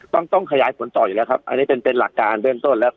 ต้องต้องขยายผลต่ออยู่แล้วครับอันนี้เป็นเป็นหลักการเบื้องต้นแล้ว